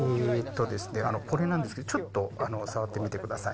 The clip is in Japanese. これなんですけど、ちょっと触ってみてください。